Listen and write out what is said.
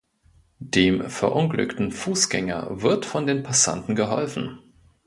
Dem verunglückten Fußgänger wird von den Passanten geholfen.